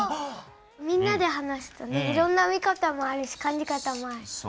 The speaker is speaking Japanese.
みんなで話すといろんな見方もあるし感じ方もあるよね。